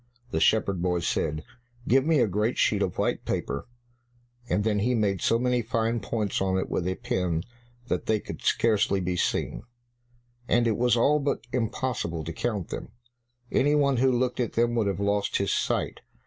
The shepherd boy said, "Give me a great sheet of white paper," and then he made so many fine points on it with a pen that they could scarcely be seen, and it was all but impossible to count them; any one who looked at them would have lost his sight.